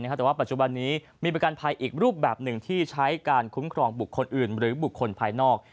แต่ว่าปัจจุบันนี้มีประกันภัยอีกรูปแบบหนึ่งที่ใช้การคุ้มครองบุคคลอื่นหรือบุคคลภายนอก